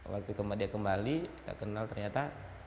waktu dia kembali kita kenal ternyata